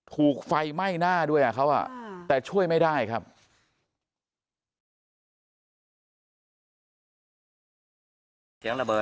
ถูกไฟไหม้หน้าด้วยเขาแต่ช่วยไม่ได้ครับ